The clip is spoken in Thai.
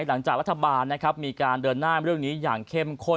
หลังจากรัฐบาลนะครับมีการเดินหน้าเรื่องนี้อย่างเข้มข้น